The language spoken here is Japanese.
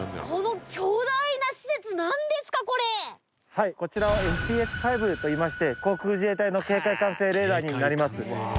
はいこちらはＦＰＳ−５といいまして航空自衛隊の警戒管制レーダーになります。